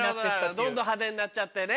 どんどん派手になっちゃってね